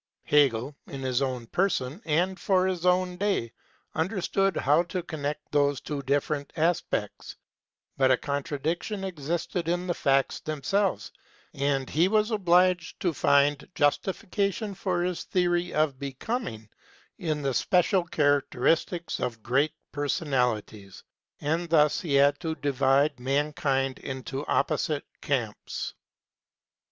Hegel, in his own person and his own day, understood how to conn< SPECULATIVE PHILOSOPHY 51 those two different aspects; but a contra diction existed in the facts themselves, and he was obliged to find justification for his theory of Becoming in the special character istics of great personalities, and thus he had to divide mankind into opposite camps.